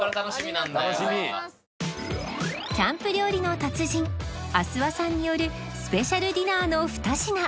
キャンプ料理の達人阿諏訪さんによるスペシャルディナーの２品